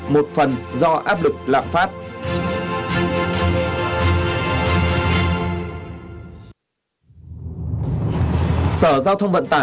một phần do áp lực lạm phát